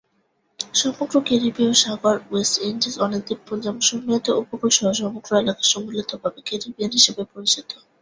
সমগ্র ক্যারিবীয় সাগর, ওয়েস্ট ইন্ডিজ অনেক দ্বীপপুঞ্জ এবং সন্নিহিত উপকূল সহ সমগ্র এলাকা সম্মিলিতভাবে ক্যারিবিয়ান হিসাবে পরিচিত।